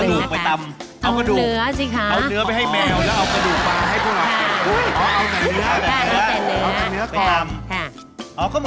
ก็คือเอากระดูกไปตำเอากระดูกเอาเนื้อสิคะเอาเนื้อไปให้แมวแล้วเอากระดูกมาให้ผู้หลังเอาจากเนื้อเอาจากเนื้อกลำค่ะ